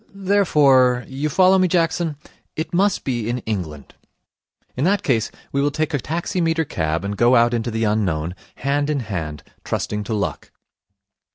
Therefore you follow me, Jackson? it must be in England. In that case, we will take a taximeter cab, and go out into the unknown, hand in hand, trusting to luck.'